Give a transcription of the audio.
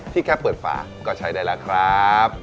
แค่เปิดฝาก็ใช้ได้แล้วครับ